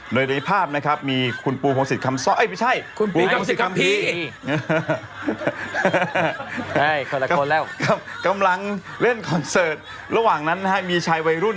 โดยในภาพนะครับมีคุณปูพงศิษย์คำซ้อเอ้ยไม่ใช่